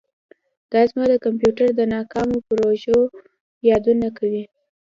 دا زما د کمپیوټر د ناکامو پروژو یادونه کوي